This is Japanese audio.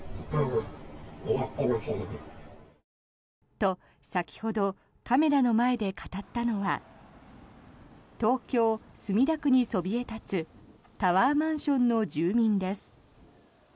と、先ほどカメラの前で語ったのは東京・墨田区にそびえ立つタワーマンションの住民です。